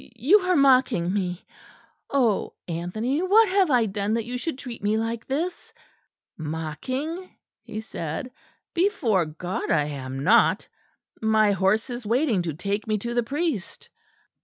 you are mocking me. Oh! Anthony, what have I done, that you should treat me like this?" "Mocking!" he said, "before God I am not. My horse is waiting to take me to the priest."